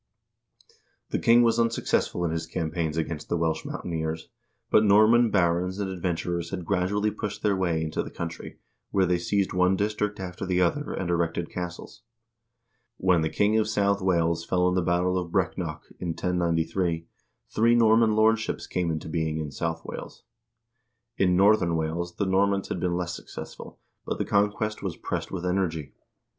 1 The king was unsuccess ful in his campaigns against the Welsh mountaineers, but Norman barons and adventurers had gradually pushed their way into the country, where they seized one district after the other, and erected castles. When the king of South Wales fell in the battle of Breck nock, in 1093, three Norman lordships came into being in South Wales. In Northern Wales the Normans had been less successful, but the conquest was pressed with energy.